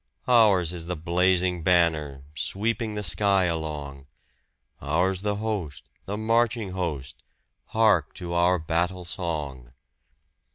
Ours is the blazing banner, sweeping the sky along! Ours the host, the marching host hark to our battle song!